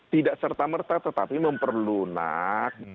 tidak serta merta tetapi memperlunak